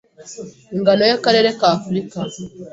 ingano y'akarere k'Afurika